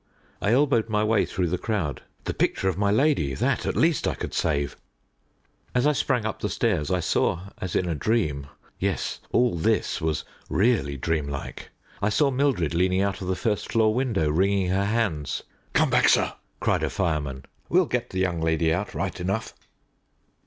I elbowed my way through the crowd. The picture of my lady that, at least, I could save! As I sprang up the steps, I saw, as in a dream yes, all this was really dream like I saw Mildred leaning out of the first floor window, wringing her hands. "Come back, sir," cried a fireman; "we'll get the young lady out right enough."